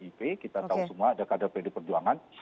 pdip kita tahu semua ada kader pdi perjuangan